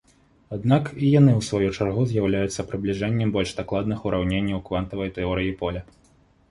Аднак, і яны ў сваю чаргу з'яўляюцца прыбліжэннем больш дакладных ураўненняў квантавай тэорыі поля.